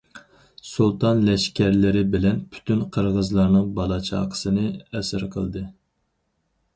سۇلتان لەشكەرلىرى بىلەن، پۈتۈن قىرغىزلارنىڭ بالا- چاقىسىنى ئەسىر قىلدى.